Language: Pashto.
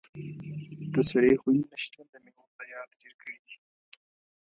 د سړې خونې نه شتون د میوو ضايعات ډېر کړي دي.